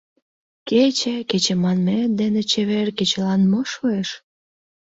Кече, кече манмет дене чевер кечылан мо шуэш?